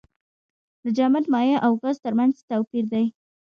د جامد مایع او ګاز ترمنځ څه توپیر دی.